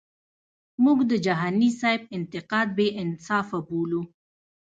مونږ د جهانی سیب انتقاد بی انصافه بولو.